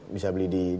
bisa dibeli di